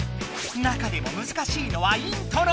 中でも難しいのはイントロ。